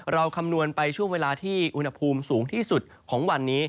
คำนวณไปช่วงเวลาที่อุณหภูมิสูงที่สุดของวันนี้